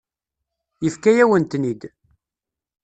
Yefka-yawen-ten-id.